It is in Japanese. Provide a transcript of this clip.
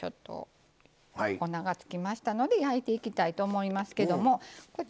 粉がつきましたので焼いていきたいと思います。